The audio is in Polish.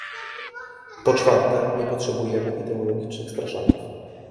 Po czwarte, nie potrzebujemy ideologicznych straszaków